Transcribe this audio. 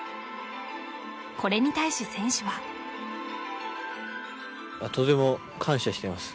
これに対し選手はとても感謝してます